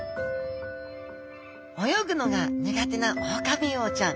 泳ぐのが苦手なオオカミウオちゃん。